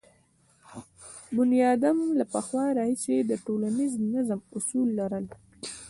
بنیادم له پخوا راهیسې د ټولنیز نظم اصول لرل.